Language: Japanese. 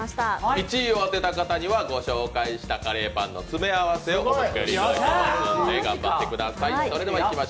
１位を当てた方にはご紹介したカレーパンの詰め合わせをプレゼントします。